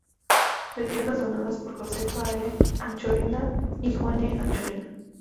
De tierras donadas por Josefa E. Anchorena y Juan E. Anchorena.